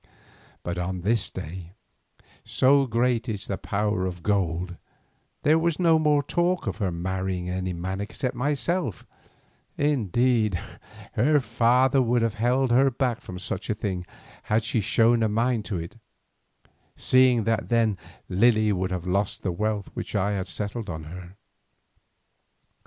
But on this day, so great is the power of gold, there was no more talk of her marrying any man except myself, indeed her father would have held her back from such a thing had she shown a mind to it, seeing that then Lily would have lost the wealth which I had settled on her.